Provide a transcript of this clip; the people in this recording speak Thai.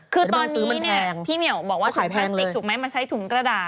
คือตอนนี้เนี่ยพี่เหมียวบอกว่าถุงพลาสติกถูกไหมมาใช้ถุงกระดาษ